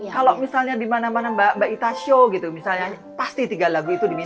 kalau misalnya di mana mana mbak ita show gitu misalnya pasti tiga lagu itu diminta